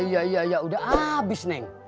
ya ya ya udah abis neng